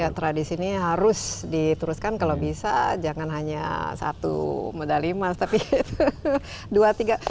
ya tradisi ini harus diteruskan kalau bisa jangan hanya satu medali emas tapi dua tiga